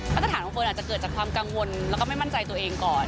ตรฐานของคนอาจจะเกิดจากความกังวลแล้วก็ไม่มั่นใจตัวเองก่อน